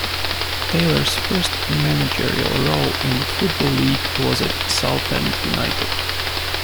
Taylor's first managerial role in the Football League was at Southend United.